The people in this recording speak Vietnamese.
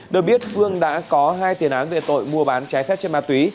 được biết phương đã có hai tiền án vệ tội mua bán trái phép chất ma túy